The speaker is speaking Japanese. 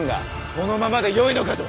このままでよいのかと！